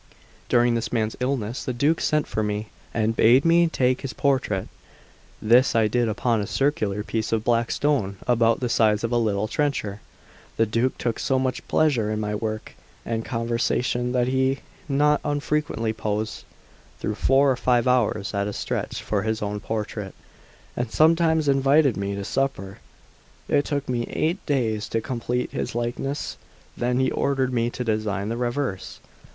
During this man's illness the Duke sent for me, and bade me take his portrait; this I did upon a circular piece of black stone about the size of a little trencher. The Duke took so much pleasure in my work and conversation, that he not unfrequently posed through four or five hours at a stretch for his own portrait, and sometimes invited me to supper. It took me eight days to complete his likeness; then he ordered me to design the reverse.